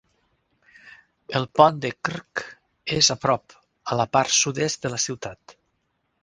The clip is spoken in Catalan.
El pont de Krk és a prop, a la part sud-est de la ciutat.